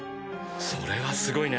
それはすごいね。